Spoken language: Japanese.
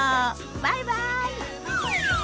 バイバイ。